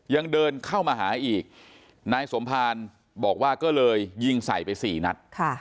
ยังเดินเข้ามาหาอีกนายสมภารบอกว่าก็เลยยิงใส่ไปสี่นัด